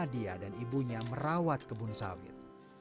dia dan ibunya merawat kebun sawit